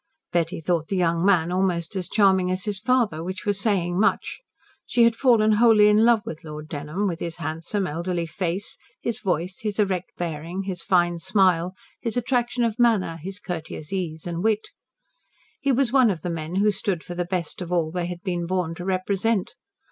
Betty thought the young man almost as charming as his father, which was saying much. She had fallen wholly in love with Lord Dunholm with his handsome, elderly face, his voice, his erect bearing, his fine smile, his attraction of manner, his courteous ease and wit. He was one of the men who stood for the best of all they had been born to represent.